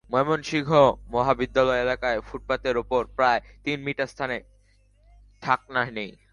ময়মনসিংহ মহাবিদ্যালয় এলাকায় ফুটপাতের ওপর প্রায় তিন মিটার স্থানে ঢাকনা নেই।